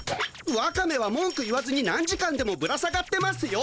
ワカメはもんく言わずに何時間でもぶら下がってますよ。